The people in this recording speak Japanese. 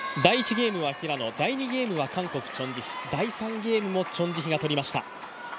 ゲームは平野、第２ゲームは韓国のチョン・ジヒ第３ゲームもチョン・ジヒが取りました。